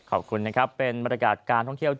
จำนวนนักท่องเที่ยวที่เดินทางมาพักผ่อนเพิ่มขึ้นในปีนี้